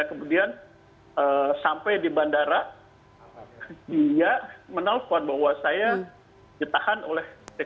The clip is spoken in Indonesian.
kemudian sampai di bandara dia menelpon bahwa saya ditahan oleh tkp